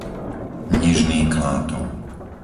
Nižný Klátov